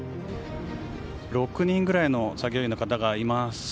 ６人ぐらいの作業員の方がいます。